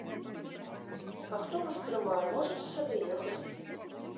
А хто вас трымае, можаце сабе ехаць.